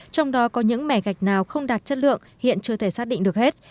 trong đó có những mẻ gạch nào không đạt chất lượng hiện chưa thể xác định được hết